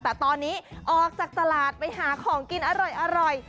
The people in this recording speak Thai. แต่ตอนนี้ออกจากตลาดไปหาของกินอร่อย